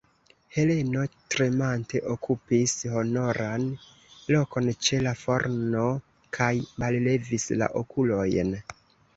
Heleno tremante okupis honoran lokon ĉe la forno kaj mallevis la okulojn.